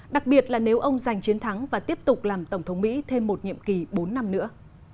đặc biệt là nếu ông giành chiến thắng và tiếp tục làm tổng thống mỹ thêm một nhiệm kỳ bốn năm nữa